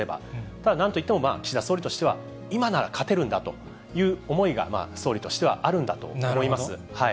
ただ、なんといっても、岸田総理としては、今なら勝てるんだという思いが総理としてはあるんだと思います。